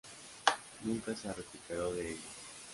Nunca se recuperó de ello.